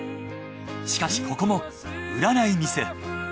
しかしここも売らない店。